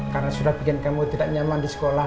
karena sudah bikin kamu tidak nyaman di sekolah